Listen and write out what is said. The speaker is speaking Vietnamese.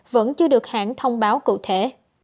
vẫn chưa được hãng thông báo cụ thể